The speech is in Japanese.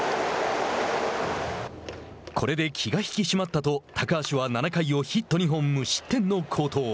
これで気が引き締まったと高橋は７回をヒット２本無失点の好投。